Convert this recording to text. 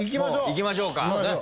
いきましょうか。